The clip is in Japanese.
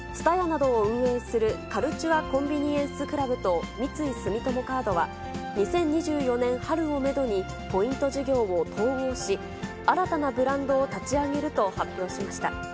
ＴＳＵＴＡＹＡなどを運営するカルチュア・コンビニエンス・クラブと、三井住友カードは、２０２４年春をメドに、ポイント事業を統合し、新たなブランドを立ち上げると発表しました。